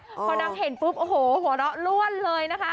พอตังเห็นปุ๊บบอกว่าหัวหรอกล้วนเลยนะคะ